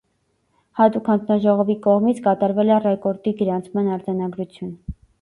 Հատուկ հանձնաժողովի կողմից կատարվել է ռեկորդի գրանցման արձանագրություն։